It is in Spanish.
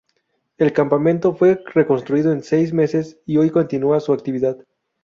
El campamento fue reconstruido en seis meses y hoy continúa su actividad.